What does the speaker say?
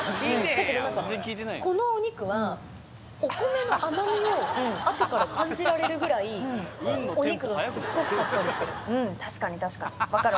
だけど何かこのお肉はお米の甘みも後から感じられるぐらいお肉がすっごくさっぱりしてる。